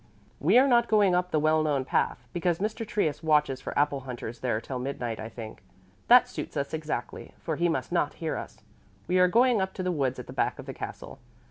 We are not going up the well known path, because Mr. Trius watches for apple hunters there till midnight, I think. That suits us exactly, for he must not hear us. We are going up to the woods at the back of the castle.